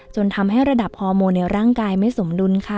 จนทำให้ระดับฮอร์โมนในร่างกายไม่สมดุลค่ะ